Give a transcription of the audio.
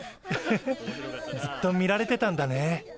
フフフずっと見られてたんだね。